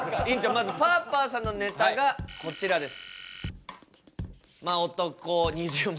まずパーパーさんのネタがこちらです。